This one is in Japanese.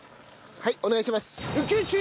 はいお願いします。